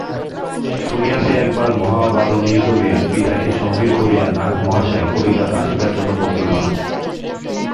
শুনিয়াছি, একবার মহাবারুণীযোগে পিতাকে সঙ্গে করিয়া নাগ-মহাশয় কলিকাতা আসিবার জন্য প্রস্তুত হন।